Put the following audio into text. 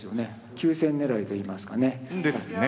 急戦狙いといいますかね。ですね。